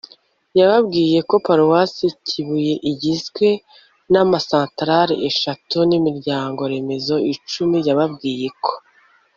yababwiye ko paruwasi kibuye igizwe n'ama santarari eshatu n'imiryango-remezo icumi. yababwiye ko